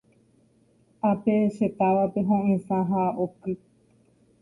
Ápe che távape ho'ysã ha oky.